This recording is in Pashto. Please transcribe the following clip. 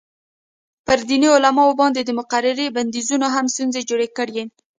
پر دیني عالمانو باندې د مقررې بندیزونو هم ستونزې جوړې کړې.